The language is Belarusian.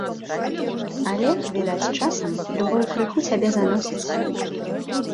Але, відаць, часам любоў крыху цябе заносіць.